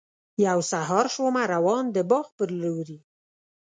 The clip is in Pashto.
یو سهار شومه روان د باغ پر لوري.